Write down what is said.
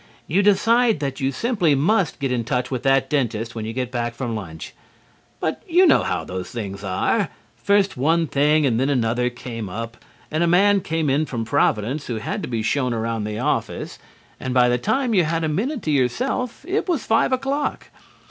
You decide that you simply must get in touch with that dentist when you get back from lunch. But you know how those things are. First one thing and then another came up, and a man came in from Providence who had to be shown around the office, and by the time you had a minute to yourself it was five o'clock.